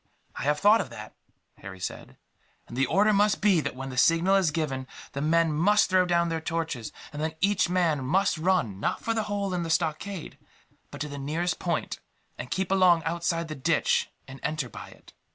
"I have thought of that," Harry said, "and the order must be that, when the signal is given, the men must throw down their torches; and then each man must run, not for the hole in the stockade, but to the nearest point, and keep along outside the ditch, and enter by it.